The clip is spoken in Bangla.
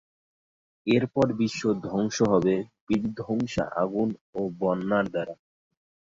এরপর বিশ্ব ধ্বংস হবে বিধ্বংসী আগুন ও বন্যার দ্বারা।